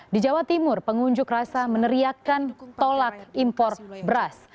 di jawa timur pengunjuk rasa meneriakan tolak impor beras